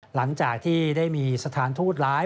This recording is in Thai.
หลังจากที่ได้มีสถานทูตร้าย